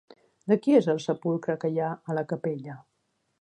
De qui és el sepulcre que hi ha a la capella?